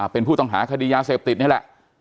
เป็นผู้ต้องหาคดียาเสพติดนี่แหละ